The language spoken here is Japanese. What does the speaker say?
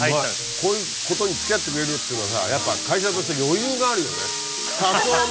こういうことに付き合ってくれるっていうのはさやっぱ会社として余裕があるよね。